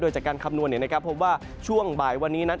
โดยจากการคำนวณเนี่ยนะครับเพราะว่าช่วงบ่ายวันนี้นั้น